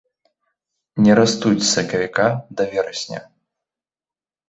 Нерастуюць з сакавіка да верасня.